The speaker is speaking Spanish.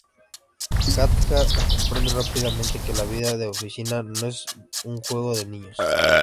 Katja comprende rápidamente que la vida de oficina no es un juego de niños.